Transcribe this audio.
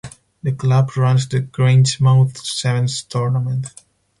The club runs the Grangemouth Sevens tournament.